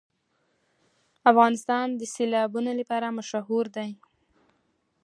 افغانستان د سیلابونه لپاره مشهور دی.